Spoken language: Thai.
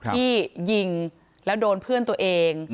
ที่ยิงแล้วโดนเพื่อนตัวเอง